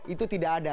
itu tidak ada